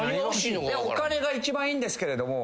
いやお金が一番いいんですけれども。